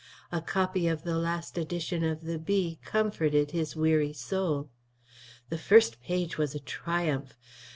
A copy of the last edition of the Bee comforted his weary soul. The first page was a triumph.